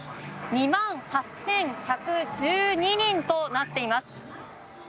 ２万８１１２人となっています。